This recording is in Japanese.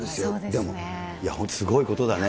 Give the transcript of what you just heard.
でも、いや、本当、すごいことだね。